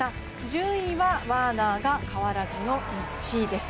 順位はワーナーが変わらずの１位です。